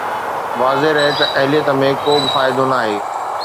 واضح رهي ته اهليت ۾ ڪو به فائدو ناهي